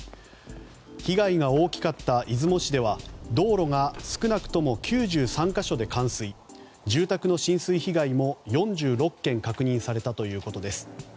被害が大きかった出雲市では道路が少なくとも９３か所で冠水住宅の浸水被害も４６件確認されたということです。